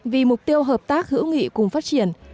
vì mục tiêu hợp tác hữu nghị cùng phát triển